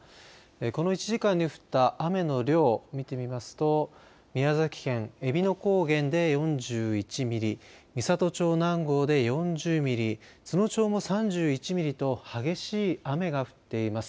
この１時間に降った雨の量、見てみますと宮崎県えびの高原で４１ミリ、美郷町南郷で４０ミリ、都農町も３１ミリと激しい雨が降っています。